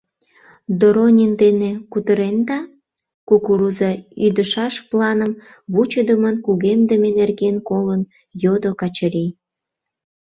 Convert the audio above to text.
— Доронин дене кутыренда? — кукуруза ӱдышаш планым вучыдымын кугемдыме нерген колын, йодо Качырий.